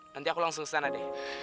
nanti aku langsung standa deh